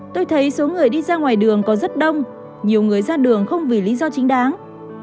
tôi thấy số người đi ra ngoài đường có rất đông nhiều người ra đường không vì lý do chính đáng